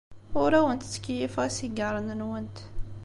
Ur awent-ttkeyyifeɣ isigaṛen-nwent.